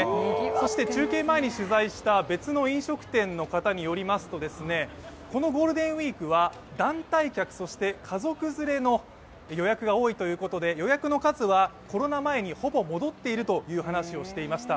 そして中継前に取材した別の飲食店の方によりますと、このゴールデンウイークは団体客、そして家族連れの予約が多いということで予約の数はコロナ前にほぼ戻っているという話をしていました。